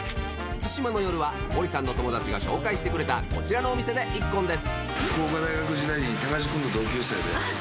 対馬の夜はゴリさんの友達が紹介してくれたこちらのお店で一献です。